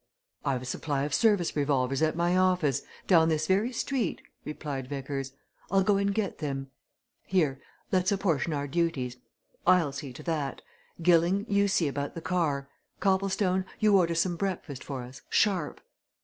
"I've a supply of service revolvers at my office, down this very street," replied Vickers. "I'll go and get them. Here! Let's apportion our duties. I'll see to that. Gilling, you see about the car. Copplestone, you order some breakfast for us sharp."